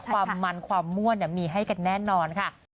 ความมันความมั่วมีให้กันแน่นอนค่ะ